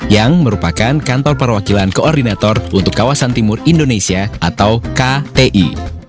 yang merupakan kantor perwakilan koordinator untuk kawasan timur indonesia atau kti